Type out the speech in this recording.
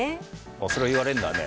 それ言われるのはね